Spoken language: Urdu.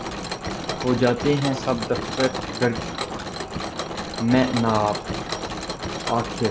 ہو جاتے ہیں سب دفتر غرق مے ناب آخر